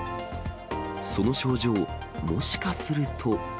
その症状、もしかすると。